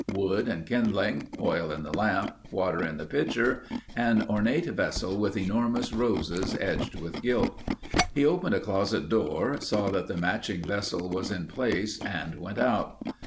Wood and kindling. Oil in the lamp. Water in the pitcher—an ornate vessel with enormous roses edged with gilt. He opened a closet door, saw that the matching vessel was in place and went out.